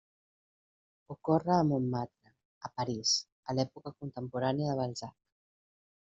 Ocorre a Montmartre, a París, a l'època contemporània de Balzac.